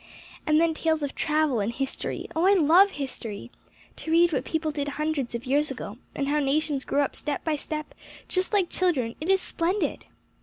And then tales of travel and history, oh, I love history! to read what people did hundreds of years ago, and how nations grew up step by step, just like children, it is splendid!"